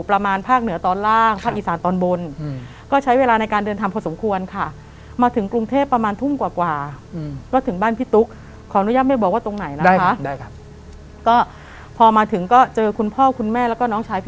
เราก็วิ่งขึ้นข้างบนบ้านเลย